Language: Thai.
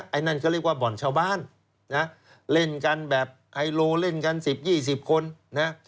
ไอ้นั่นก็เรียกว่าบ่อนชาวบ้านนะเล่นกันแบบไฮโลเล่นกัน๑๐๒๐คนนะ